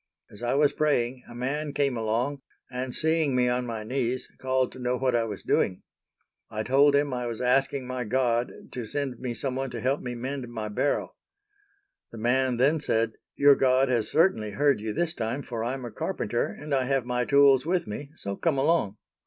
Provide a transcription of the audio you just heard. As I was praying a man came along, and seeing me on my knees called to know what I was doing. I told him I was asking my God to send me some one to help me mend my barrow. The man then said, "Your God has certainly heard you this time for I'm a carpenter and I have my tools with me, so come along."